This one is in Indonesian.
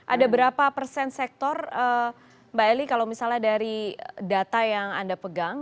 ada berapa persen sektor mbak eli kalau misalnya dari data yang anda pegang